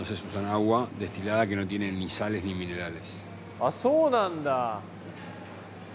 あっそうなんだ！